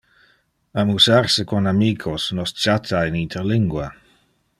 Amusar se con amicos, nos chatta in interlingua.